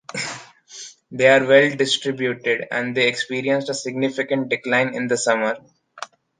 They are well distributed, and they experience a significant decline in the summer.